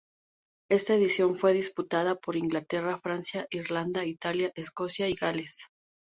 Esta edición fue disputada por Inglaterra, Francia, Irlanda, Italia, Escocia y Gales.